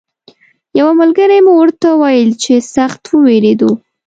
یوه ملګري مو ورته ویل چې سخت ووېرېدو.